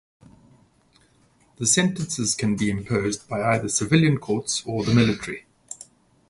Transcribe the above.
The sentences can be imposed by either civilian courts or the military.